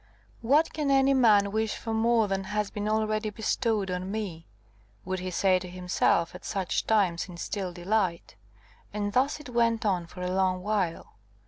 "What can any man wish for more than has been already bestowed on me?" would he say to himself at such times in still delight. And thus it went on for a long while.